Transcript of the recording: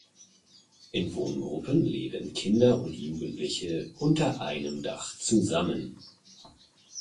In Wohngruppen leben Kinder und Jugendliche unter einem Dach zusammen.